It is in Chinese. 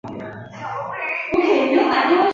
又称为同侪互评或同行评量。